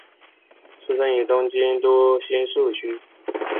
出身于东京都新宿区。